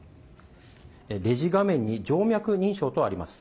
レジ画面に静脈認証とあります。